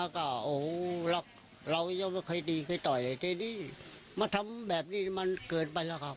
ใครต่อยอะไรและแบบนี้มันเกิดไปแล้วค่ะ